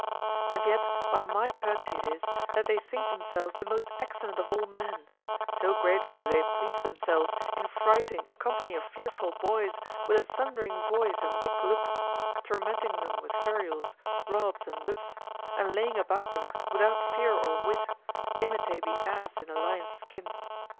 And yet by my courtesy it is that they think themselves the most excellent of all men, so greatly do they please themselves in frighting a company of fearful boys with a thundering voice and big looks, tormenting them with ferules, rods, and whips; and, laying about them without fear or wit, imitate the ass in the lion's skin.